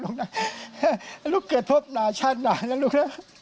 ลูกนะลูกเกิดพบหนาชาติหนาแล้วลูกนะ